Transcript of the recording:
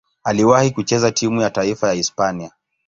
Aliwahi kucheza timu ya taifa ya Hispania.